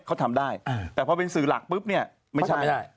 เขาทำได้แต่พอเป็นสื่อหลักปุ๊บเนี่ยไม่ใช่ไม่ได้